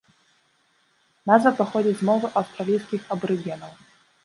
Назва паходзіць з мовы аўстралійскіх абарыгенаў.